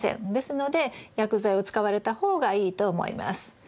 ですので薬剤を使われた方がいいと思います。